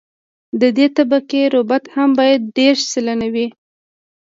د دې طبقې رطوبت هم باید دېرش سلنه وي